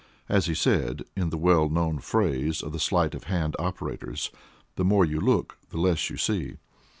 As he said, in the well known phrase of the sleight of hand operators: "the more you look, the less you see."